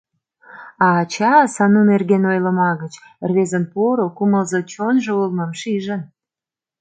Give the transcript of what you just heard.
А ача, Сану нерген ойлыма гыч, рвезын поро, кумылзо чонжо улмым шижын.